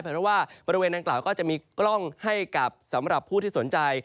เพราะว่าบริเวณดังกล่าวก็จะมีกล้องให้กับสำหรับผู้ที่สนใจ